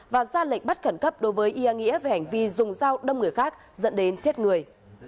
và ra lệnh bắt khẩn cấp đối với ia nghĩa về hành vi dùng dao đâm người khác dẫn đến chết người